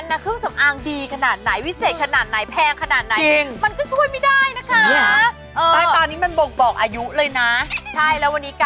อ๋อเหรอขัดท่านเหล็กเหรอค่ะถ้าเหล็กต้องกินเหล็กไงกินเหล็ก